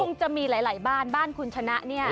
จะมีหลายบ้านบ้านคุณชนะเนี่ย